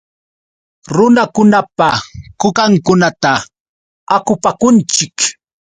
Runakunapa kukankunata akupakunchik.